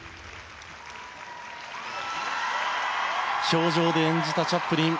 氷上で演じたチャップリン。